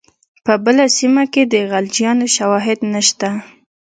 په بله سیمه کې د خلجیانو شواهد نشته.